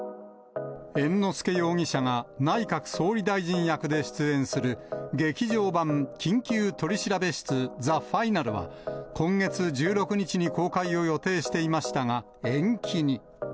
猿之助容疑者が内閣総理大臣役で出演する、劇場版緊急取調室ＴＨＥＦＩＮＡＬは、今月１６日に公開を予定していましたが、延期に。